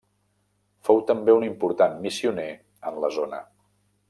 Fou també un important missioner en la zona.